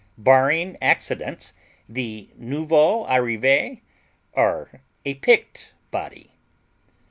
Barring accidents, the nouveaux arrivés are a picked body.